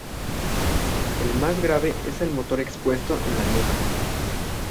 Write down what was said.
El más grave es el motor expuesto en la nuca.